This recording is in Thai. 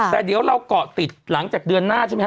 แต่เดี๋ยวเราเกาะติดหลังจากเดือนหน้าใช่ไหมฮ